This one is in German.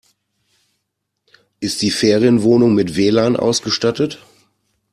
Ist die Ferienwohnung mit WLAN ausgestattet?